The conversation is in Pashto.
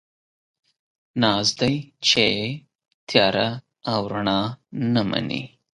ناز دی، چې تياره او رڼا نه مني